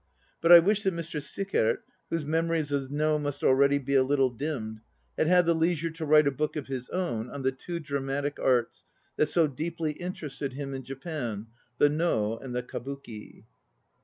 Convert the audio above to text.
But 1 wish that Mr. Sickert, whose memories of No must already be a little dimmed, had had the leisure to write a book of his own on the two dramatic arts that so deeply interested him in Japan, the No and the Kabuki.